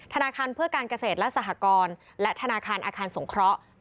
ธนาคารเพื่อการเกษตรและสหกรและธนาคารอาคารสงเคราะห์